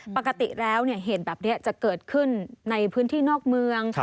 ปกติแล้วเหตุแบบนี้จะเกิดขึ้นในพื้นที่นอกเมือง